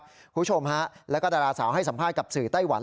คุณผู้ชมฮะแล้วก็ดาราสาวให้สัมภาษณ์กับสื่อไต้หวัน